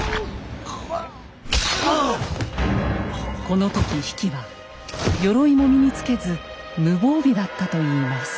この時比企は鎧も身につけず無防備だったといいます。